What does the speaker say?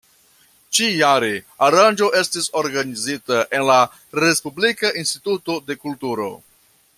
Ĉi-jare aranĝo estis organizita en la Respublika instituto de kulturo.